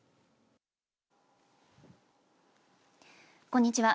こんにちは。